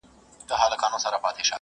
خلکو د غالب د دیوان په اړه خبرې کولې.